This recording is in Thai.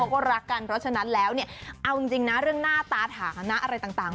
เพราะฉะนั้นแล้วเนี่ยเอาจริงนะเรื่องหน้าตาถาขณะอะไรต่าง